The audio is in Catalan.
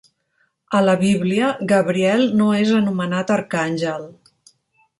A la Bíblia, Gabriel no és anomenat arcàngel.